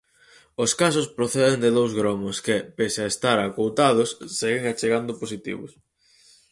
Os casos proceden de dous gromos que, pese a estar acoutados, seguen achegando positivos.